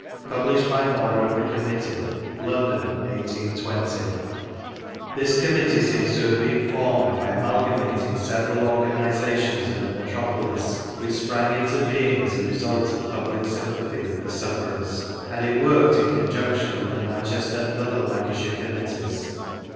Published by order of the Committee. London, 1820," This vGoogIc CASUALTIES AT PETERLOO 83 Committee seems to have been formed by amalga mating several organisations in the metropolis which sprang into being as a result of public sympathy with the sufferers, and it worked in conjunction with the Manchester and other Lancashire Committees.